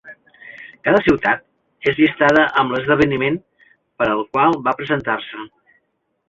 Cada ciutat és llistada amb l'esdeveniment per al qual va presentar-se.